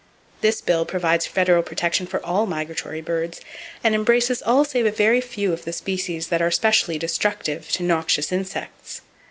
This bill provides federal protection for all migratory birds, and embraces all save a very few of the species that are specially destructive to noxious insects.